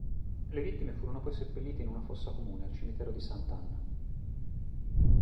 Le vittime furono poi seppellite in una fossa comune al cimitero di Sant'Anna.